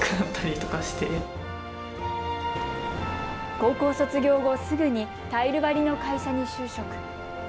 高校卒業後すぐにタイル張りの会社に就職。